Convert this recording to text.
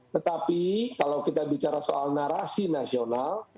tetapi kalau kita bicara soal narasi nasional